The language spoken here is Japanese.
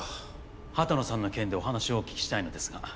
波多野さんの件でお話をお聞きしたいのですが。